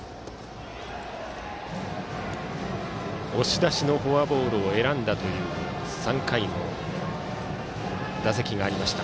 押し出しのフォアボールを選んだ３回の打席がありました。